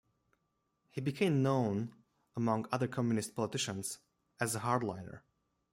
He became known among other communist politicians as a hardliner.